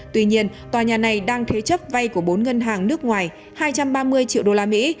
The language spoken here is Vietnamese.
tuy nhiên tòa nhà này đang thế chấp vay của bốn ngân hàng nước ngoài hai trăm ba mươi triệu đô la mỹ